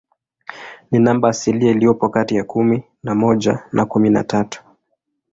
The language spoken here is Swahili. Ni namba asilia iliyopo kati ya kumi na moja na kumi na tatu.